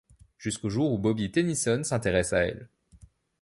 Jusqu'au jour où Bobby Tennyson s'intéresse à elle...